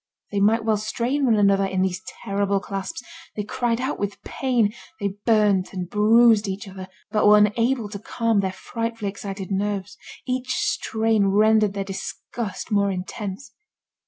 They might well strain one another in these terrible clasps, they cried out with pain, they burnt and bruised each other, but were unable to calm their frightfully excited nerves. Each strain rendered their disgust more intense.